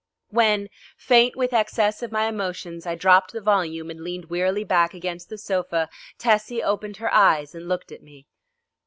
When, faint with excess of my emotions, I dropped the volume and leaned wearily back against the sofa, Tessie opened her eyes and looked at me....